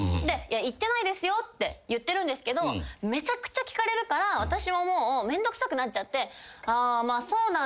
行ってないですよって言ってるんですけどめちゃくちゃ聞かれるから私はもうめんどくさくなっちゃって。